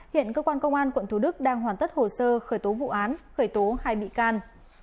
hiện cơ quan công an quận thủ đức đang hoàn tất hồ sơ khởi tố vụ án khởi tố hai bị can